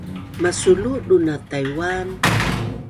Masuludun a Tai’uan